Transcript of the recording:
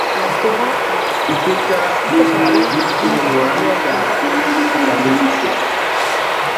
Itéka i mú nà urrôngô râ wikā iwí i ndédamú nà idiya.